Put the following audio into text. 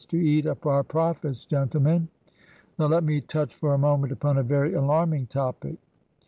To eat up our Profits^ gentlemen ! Now let me touch for a mo ment upon a very alarming topic.